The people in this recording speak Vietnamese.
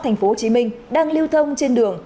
tp hcm đang lưu thông trên đường